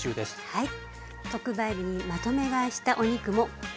はい。